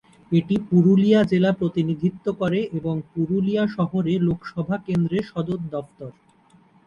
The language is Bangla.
এটি পুরুলিয়া জেলা প্রতিনিধিত্ব করে এবং পুরুলিয়া শহরে লোকসভা কেন্দ্রের সদর দফতর।